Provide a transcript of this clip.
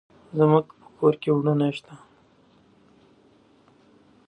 زموږ په کور کې اوړه نشته.